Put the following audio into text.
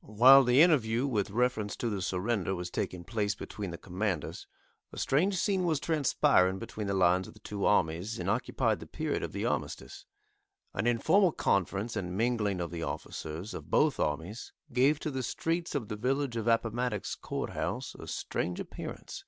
While the interview with reference to the surrender was taking place between the commanders, a strange scene was transpiring between the lines of the two armies, and occupied the period of the armistice. An informal conference and mingling of the officers of both armies gave to the streets of the village of Appomattox Court House a strange appearance.